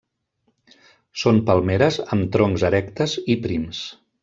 Són palmeres amb troncs erectes i prims.